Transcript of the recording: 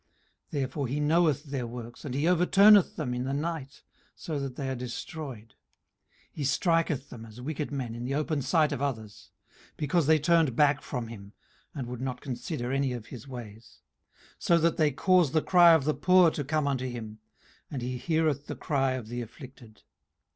18:034:025 Therefore he knoweth their works, and he overturneth them in the night, so that they are destroyed. 18:034:026 He striketh them as wicked men in the open sight of others; 18:034:027 Because they turned back from him, and would not consider any of his ways: 18:034:028 So that they cause the cry of the poor to come unto him, and he heareth the cry of the afflicted.